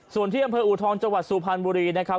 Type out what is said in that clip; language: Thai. ส่วนที่อำเภออูทองจังหวัดสุพรรณบุรีนะครับ